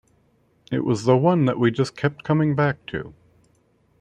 It was the one that we just kept coming back to.